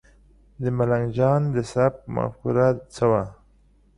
د ملنګ جان د سبک مفکوره څه وه؟